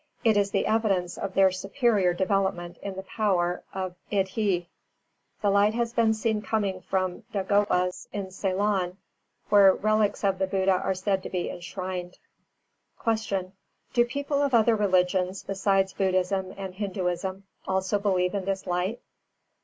It is the evidence of their superior development in the power of Iddhī. The light has been seen coming from dāgobas in Ceylon where relics of the Buddha are said to be enshrined. 348. Q. _Do people of other religions besides Buddhism and Hindūism also believe in this light?